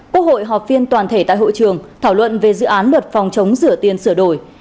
quốc hội họp phiên toàn thể tại hội trường thảo luận về dự án luật phòng chống rửa tiền sửa đổi